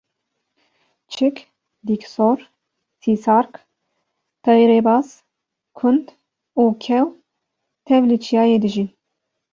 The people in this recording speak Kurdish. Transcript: çik, dîksor, sîsark, teyrê baz, kund û kew tev li çiyayê dijîn